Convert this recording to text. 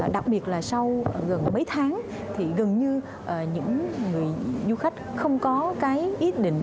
đặc biệt là sau gần mấy tháng thì gần như những người du khách không có cái ý định